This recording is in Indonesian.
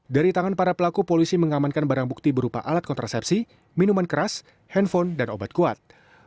dari tangan para pelaku polisi mengamankan barang bukti berupa alat kontrasepsi minuman keras handphone dan obat kuat